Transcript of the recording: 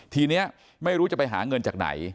ทีนี้ไม่รู้จะไปหาเงินจากไหน